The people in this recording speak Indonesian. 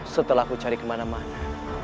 setelah aku cari kemana mana